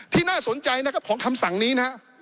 น่าสนใจนะครับของคำสั่งนี้นะฮะ